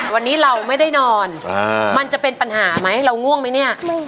วันนี้เราไม่ได้นอนมันจะเป็นปัญหาไหมเราง่วงไหมเนี่ย